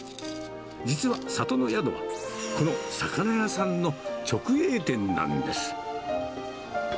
実は里の宿は、この魚屋さんの直営店なんです。